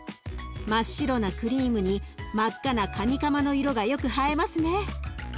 真っ白なクリームに真っ赤なカニカマの色がよく映えますね。